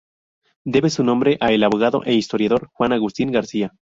Debe su nombre a el abogado e historiador Juan Agustín García.